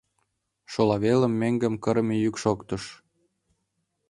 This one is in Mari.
Шола велым меҥгым кырыме йӱк шоктыш.